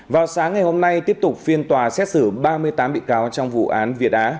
vào sáng ngày hôm nay tiếp tục phiên tòa xét xử ba mươi tám bị cáo trong vụ án việt á